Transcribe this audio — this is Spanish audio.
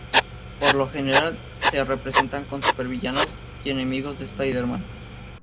Por lo general, se representan como supervillanos y enemigos de Spider-Man.